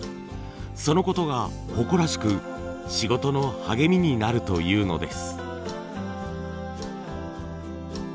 そのことが誇らしく仕事の励みになるというのです。